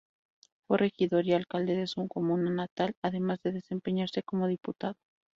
Fue regidor y alcalde de su comuna natal, además de desempeñarse como diputado.